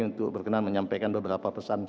untuk berkenan menyampaikan beberapa pesan